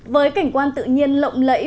với cảnh quan tự nhiên lộng lẫy